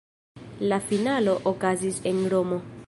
La finalo okazis en Romo.